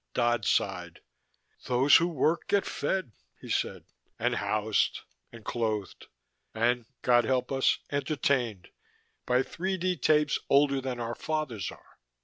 Dodd sighed. "Those who work get fed," he said. "And housed. And clothed. And God help us entertained, by 3D tapes older than our fathers are.